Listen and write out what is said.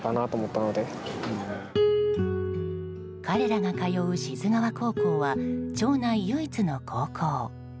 彼らが通う志津川高校は町内唯一の高校。